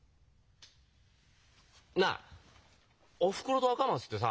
なあおふくろと赤松ってさ